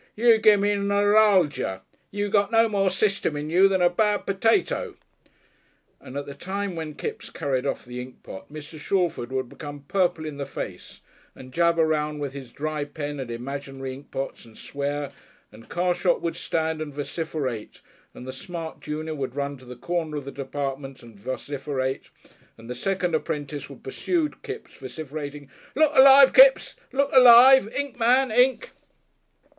"You gimme n'ralgia. You got no more System in you than a bad potato." And at the times when Kipps carried off the inkpot Mr. Shalford would become purple in the face and jab round with his dry pen at imaginary inkpots and swear, and Carshot would stand and vociferate, and the smart junior would run to the corner of the department and vociferate, and the second apprentice would pursue Kipps, vociferating, "Look Alive, Kipps! Look Alive! Ink, Man! Ink!"